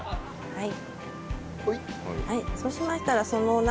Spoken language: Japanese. はい。